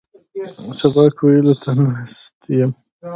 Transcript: سبق ویلو ته ناست یم.